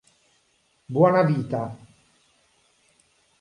Buona vita